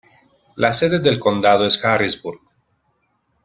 La sede del condado es Harrisburg.